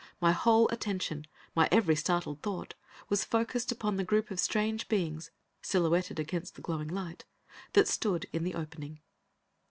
My whole attention, my every startled thought, was focused upon the group of strange beings, silhouetted against the glowing light, that stood in the opening.